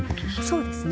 そうですね。